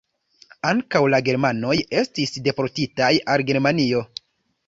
Ankaŭ la germanoj estis deportitaj al Germanio.